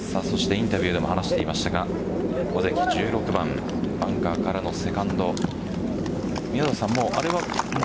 インタビューでも話していましたが尾関、１６番バンカーからのセカンド。